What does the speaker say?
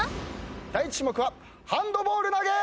第１種目はハンドボール投げ！